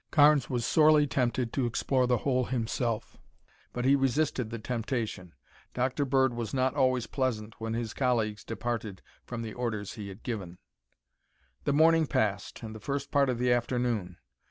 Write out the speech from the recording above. Carnes was sorely tempted to explore the hole himself, but he resisted the temptation. Dr. Bird was not always pleasant when his colleagues departed from the orders he had given. The morning passed, and the first part of the afternoon.